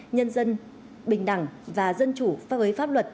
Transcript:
nhân dân bình đẳng và dân chủ phát hối pháp luật